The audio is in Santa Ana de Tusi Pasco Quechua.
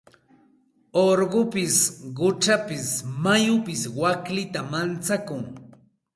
Urqupis quchapis mayupis waklita manchakun.